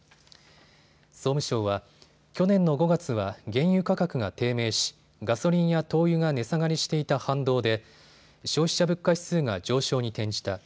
総務省は、去年の５月は原油価格が低迷しガソリンや灯油が値下がりしていた反動で消費者物価指数が上昇に転じた。